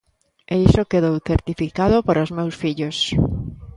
E iso quedou certificado para os meus fillos.